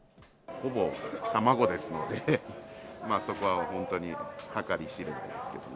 ほぼ卵ですので、そこは本当に計り知れないですけどね。